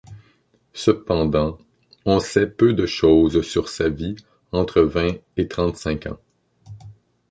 Cependant, on sait peu de choses sur sa vie entre vingt et trente-cinq ans.